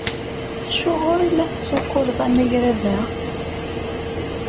Acuɣer i la tessuqquleḍ amagrad-a?